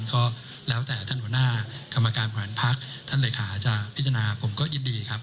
ก็แล้วแต่ท่านผู้หน้ากำมากางขวานพรรคท่านเหล้าค่าจะพิจารณาผมก็ยินดีครับ